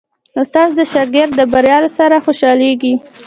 استاد د شاګرد د بریا سره خوشحالېږي.